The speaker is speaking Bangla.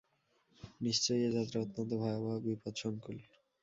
নিশ্চয় এ যাত্রা অত্যন্ত ভয়াবহ, বিপদসঙ্কুল।